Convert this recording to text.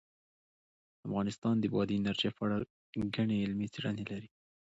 افغانستان د بادي انرژي په اړه ګڼې علمي څېړنې لري.